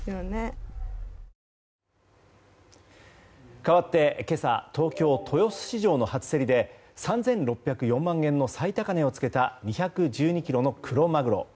かわって今朝、東京・豊洲市場の初競りで３６０４万円の最高値を付けた２１２ｋｇのクロマグロ。